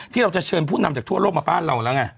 เราจะเชิญผู้นำจากทั่วโลกมาบ้านเราแล้วไง